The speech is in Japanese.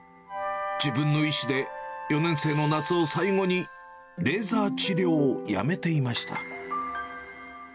自分の意思で、４年生の夏を最後に、レーザー治療をやめていました。